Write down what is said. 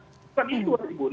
itu saat itu dua ribu enam